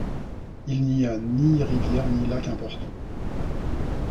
Il n'y a ni rivières ni lacs importants.